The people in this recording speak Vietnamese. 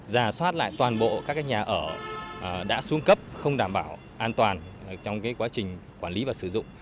giả soát lại toàn bộ các nhà ở đã xuống cấp không đảm bảo an toàn trong quá trình quản lý và sử dụng